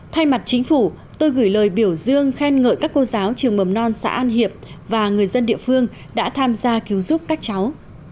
thay mặt chính phủ tôi gửi lời biểu dương khen ngợi các cô giáo trường mầm non xã an hiệp và người dân địa phương đã tham gia cứu giúp các cháu